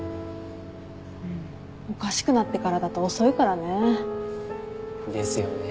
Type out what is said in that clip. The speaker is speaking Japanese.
うんおかしくなってからだと遅いからね。ですよね。